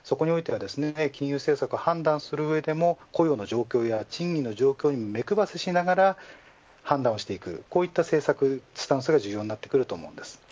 金融政策を判断するためにも雇用の状況や賃金の状況に目配せしながら判断していくこういった政策、スタンスが必要になってきます。